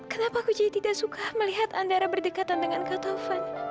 kenapa aku jadi tidak suka melihat antara berdekatan dengan kata van